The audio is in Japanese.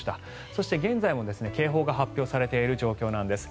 そして、現在も警報が発表されている状況なんです。